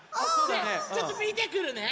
ちょっとみてくるね。